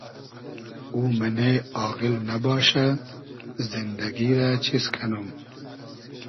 او مئنې آغیل نئباشۂ زیندئگی رۂ چیز کئنوم